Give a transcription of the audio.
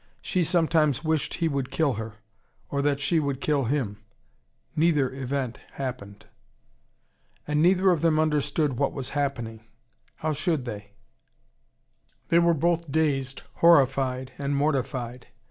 She sometimes wished he would kill her: or that she would kill him. Neither event happened. And neither of them understood what was happening. How should they? They were both dazed, horrified, and mortified.